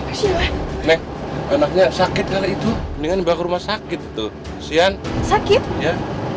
sila ya allah nek nek anaknya sakit kali itu dengan bakar rumah sakit tuh sian sakit ya